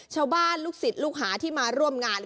ชาวบ้านลูกศิษย์ลูกหาที่มาร่วมงาน